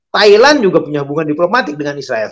thailand juga punya hubungan diplomatik dengan israel